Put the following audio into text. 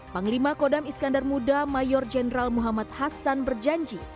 panglima kodam iskandar muda mayor jenderal muhammad hasan berjanji